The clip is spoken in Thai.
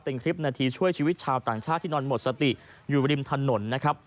เป็นคลิปนาทีช่วยชีวิตชาวต่างชาติที่นอนหมดสติอยู่ริมถนนนะครับ